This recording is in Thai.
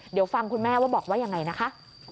เดี๋ยวฟังคุณแม่ว่าบอกว่ายังไงนะคะ